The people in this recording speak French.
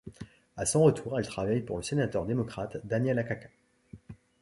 À son retour, elle travaille pour le sénateur démocrate Daniel Akaka.